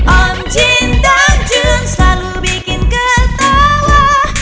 omjin dan jun selalu bikin ketawa